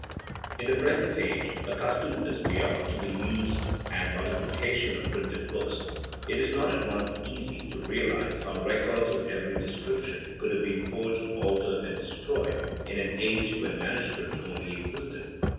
In the present age, accustomed as we are to the use and multiplication of printed books, it is not at once easy to realize how records of every description could have been forged, altered, and destroyed in an age when manuscripts only existed.